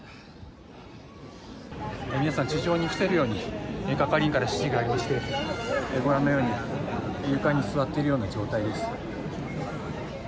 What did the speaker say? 皆さん地上に伏せるように係員から指示がありましてご覧のように床に座っているような状態です。